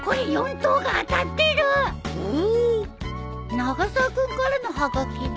永沢君からのはがきだ。